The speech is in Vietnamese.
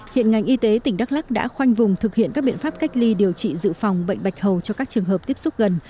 hiện ngành y tế tỉnh đắk lắc đã khoanh vùng thực hiện các biện pháp cách ly điều trị dự phòng bệnh bạch hầu cho các trường hợp tiếp xúc gần